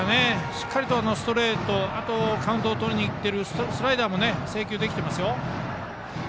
しっかりとストレートとカウントをとりにいっているスライダーも制球できていますよ。